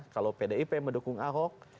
kalau pdip mendukung ahok